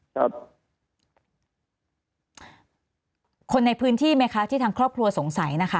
คนในพื้นที่ไหมคะที่ทางครอบครัวสงสัยนะคะ